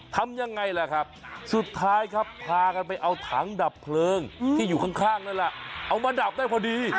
ทำยังไงล่ะครับสุดท้ายครับพากันไปเอาถังดับเพลิงที่อยู่ข้างนั่นแหละเอามาดับได้พอดี